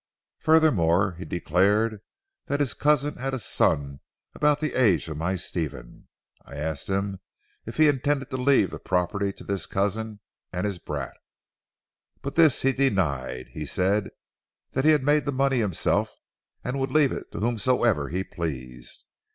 Furthermore he declared that his cousin had a son about the age of my Stephen. I asked him if he intended to leave the property to this cousin and his brat. But this he denied. He said that he had made the money himself and would leave it to whomsoever he pleased.